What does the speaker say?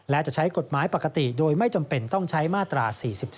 และจะใช้กฎหมายปกติโดยไม่จำเป็นต้องใช้มาตรา๔๔